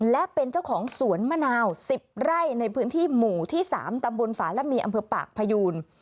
และเป็นเจ้าของสวนมะนาว๑๐ไร่ในพื้นที่หมู่ที่๓ตำบลฝาและมีอำเภอปากพยูน